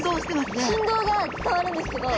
振動が伝わるんですけど。